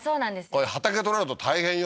これ畑となると大変よ